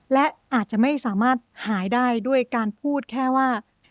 และอาจจะไม่สามารถหายได้ด้วยการพูดแค่ว่า